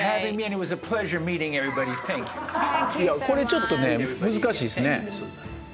これちょっとね難しいっすね。